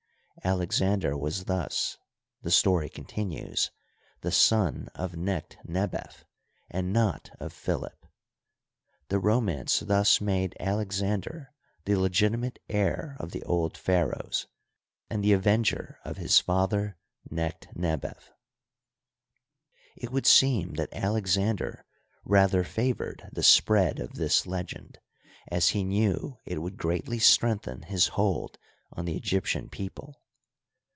Alex ander was thus, the story continues, the son of Necht nebef, and not of Philip. The romance thus made Alex Oigitized byCjOOQlC ALEXANDER THE GREAT IN EGYPT, 157 ander the legitimate heir of the old pharaohs, and the avenger of his father Necht nebef. It would seem that Alexander rather favored the spread of this legend, as he knew it would greatly strengthen his hold on the Egyptian people.